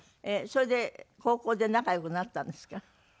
それで高校で仲良くなったんですか？